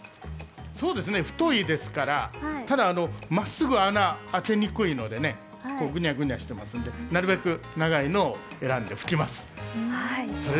太いですから、ただまっすぐ穴開けにくいので、ぐにゃぐにゃしていますので、なるべく長いのを選んで吹きます。